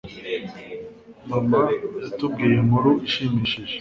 Mama yatubwiye inkuru ishimishije.